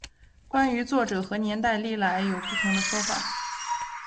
关于作者和年代历来有不同说法。